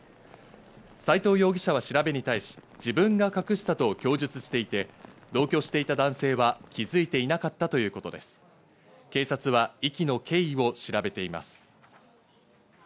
斎藤容疑者は調べに対し、自分が隠したと供述していて、同居していた男性は気づいていなかったということです。